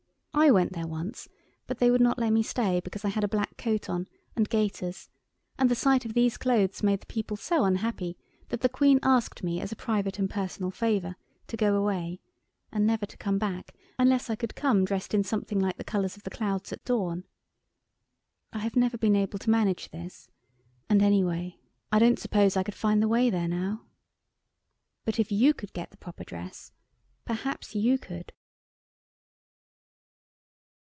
I went there once but they would not let me stay because I had a black coat on, and gaiters; and the sight of these clothes made the people so unhappy that the Queen asked me as a private and personal favour to go away, and never to come back unless I could come dressed in something like the colours of the clouds at dawn. I have never been able to manage this, and, anyway, I don't suppose I could find the way there now. But, if you could get the proper dress, perhaps you could?